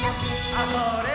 あ、それっ。